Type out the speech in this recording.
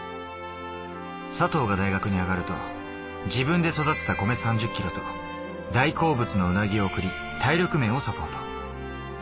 佐藤が大学に上がると、自分で育てた米３０ｋｇと大好物のうなぎを贈り、体力面もサポート。